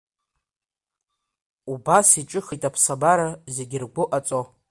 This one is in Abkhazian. Убас иҿыхеит аԥсабара, зегь ргәы ҟаҵо.